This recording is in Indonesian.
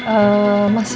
eee masih gak ya